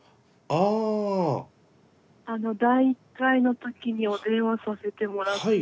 あの第１回の時にお電話させてもらった。